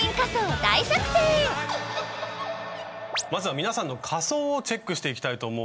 まずは皆さんの仮装をチェックしていきたいと思うんですが。